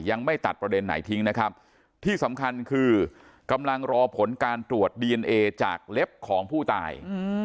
ยังไม่ตัดประเด็นไหนทิ้งนะครับที่สำคัญคือกำลังรอผลการตรวจดีเอนเอจากเล็บของผู้ตาย